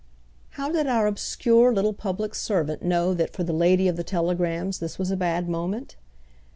How did our obscure little public servant know that for the lady of the telegrams this was a bad moment?